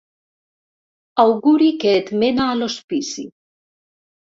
Auguri que et mena a l'hospici.